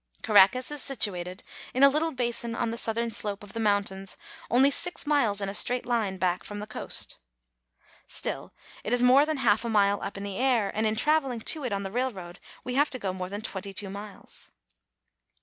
Caracas is situated in a little basin on the southern slope of the mountains, only six miles in a straight line back y' .'"■■,'■.,,■ Statue of Washington. from the coast. Still, it is more than half a mile high up in the air, and in traveling to it on the railroad we have to go more than twenty two miles.